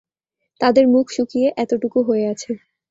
তাদের মুখ শুকিয়ে এতটুকু হয়ে আছে।